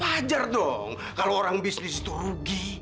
wajar dong kalau orang bisnis itu rugi